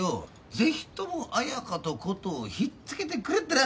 ぜひとも彩佳とコトーをひっつけてくれってな。